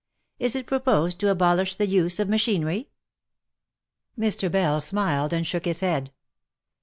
Is it proposed to abolish the use of machinery T Mr. Bell smiled, and shook his head.